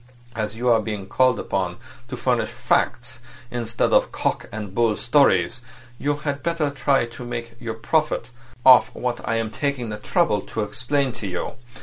As you are being called upon to furnish facts instead of cock and bull stories, you had better try to make your profit off what I am taking the trouble to explain to you.